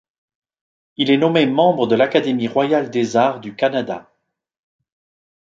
Il est nommé membre de l'Académie royale des arts du Canada.